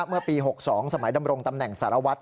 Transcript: เมื่อปี๖๒สมัยดำรงตำแหน่งสารวัตร